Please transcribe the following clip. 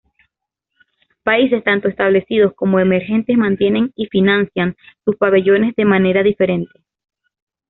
Países tanto establecidos como emergentes mantienen y financian sus pabellones de maneras diferentes.